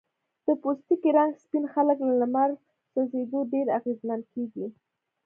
د پوستکي رنګ سپین خلک له لمر سوځېدو ډیر اغېزمن کېږي.